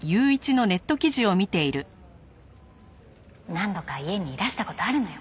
何度か家にいらした事あるのよ。